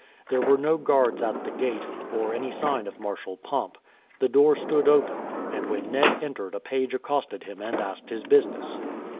There were no guards at the gate, or any sign of martial pomp. The door stood open, and when Ned entered a page accosted him and asked his business.